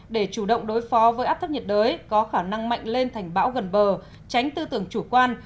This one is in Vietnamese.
để chủ động đối phó với áp thấp nhiệt đới có khả năng mạnh lên thành bão gần bờ tránh tư tưởng chủ quan